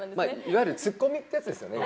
いわゆるツッコミってやつですよね